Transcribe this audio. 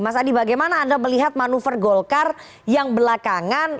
mas adi bagaimana anda melihat manuver golkar yang belakangan